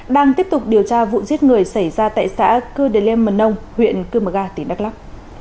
đang tiếp tục điều tra vụ giết người xảy ra tại xã cư đề lêm mần nông huyện cư mờ ga tỉnh đắk lắk